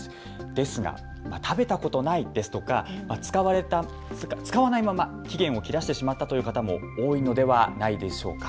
ですが食べたことないですとか使わないまま期限を切らしてしまったという方も多いのではないでしょうか。